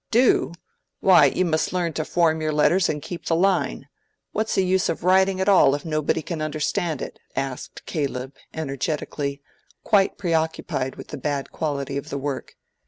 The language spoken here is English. "Do? Why, you must learn to form your letters and keep the line. What's the use of writing at all if nobody can understand it?" asked Caleb, energetically, quite preoccupied with the bad quality of the work.